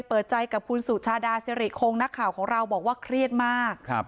เปิดใจกับคุณสุชาดาสิริคงนักข่าวของเราบอกว่าเครียดมาก